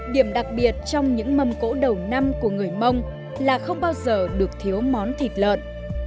điểm đặc biệt trong những mâm cỗ đầu năm của người mông là không bao giờ được thiếu món thịt lợn